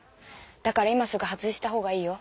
だから今すぐ外した方がいいよ。